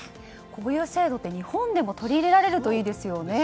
こういう制度って日本でも取り入れられるといいですよね。